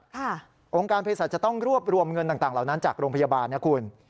องค์การเพศสัตว์จะต้องรวบรวมเงินต่างเหล่านั้นจากโรงพยาบาลนะคุณ